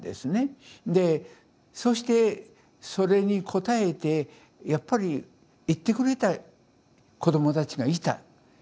でそしてそれに応えてやっぱり行ってくれた子どもたちがいた。